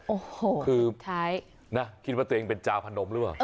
โอ้โหคือนะคิดว่าตัวเองเป็นจาพนมหรือเปล่า